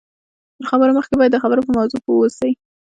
تر خبرو مخکې باید د خبرو په موضوع پوه واوسئ